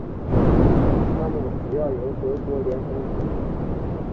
它们主要由德国联邦铁路。